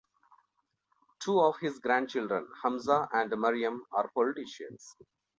Two of his grandchildren, Hamza and Maryam are politicians.